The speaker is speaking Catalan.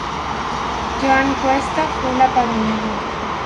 Joan Cuesta fou l'aparellador.